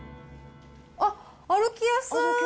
あっ、歩きやすい！